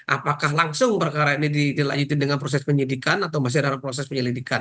apakah langsung perkara ini dilanjutin dengan proses penyidikan atau masih ada proses penyelidikan